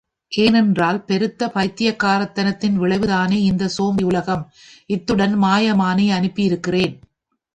ஏனென்றால் பெருத்த பைத்தியக்காரத்தனத்தின் விளைவுதானே இந்தச் சோம்பேறி உலகம்! இத்துடன் மாயமானை அனுப்பியிருக்கிறேன்.